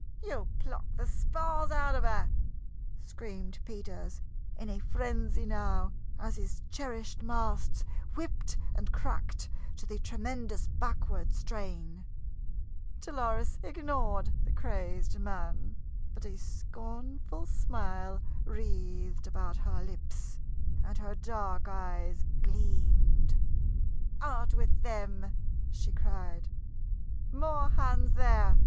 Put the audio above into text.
"You'll pluck the spars out of her!" screamed Peters, in a frenzy now as his cherished masts whipped and cracked to the tremendous backward strain. Dolores ignored the crazed man, but a scornful smile wreathed about her lips, and her dark eyes gleamed. "Out with them!" she cried. "More hands there!